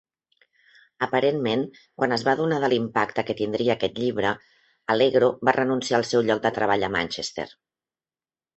Aparentment, quan es va adonar de l'impacte que tindria aquest llibre, Allegro va renunciar al seu lloc de treball a Manchester.